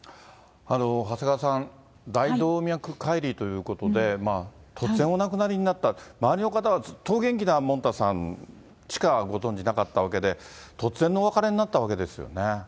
長谷川さん、大動脈解離ということで、突然お亡くなりになった、周りの方はずっとお元気なもんたさんしかご存じなかったわけで、突然のお別れになったわけですよね。